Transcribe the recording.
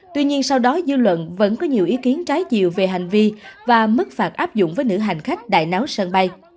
tuy nhiên sau đó dư luận vẫn có nhiều ý kiến trái chiều về hành vi và mức phạt áp dụng với nữ hành khách đại náo sân bay